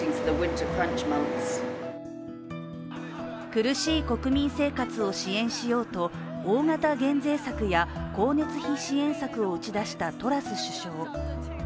苦しい国民生活を支援しようと、大型減税策や、光熱費支援策を打ち出したトラス首相。